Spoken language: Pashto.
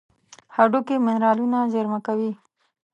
هډوکي منرالونه زیرمه کوي.